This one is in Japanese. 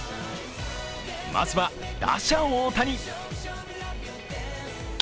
まずは打者・大谷。